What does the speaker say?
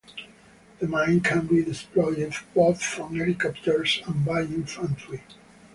The mine can be deployed both from helicopters and by infantry.